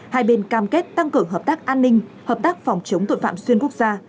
hai bên cam kết tăng cường hợp tác an ninh hợp tác phòng chống tội phạm xuyên quốc gia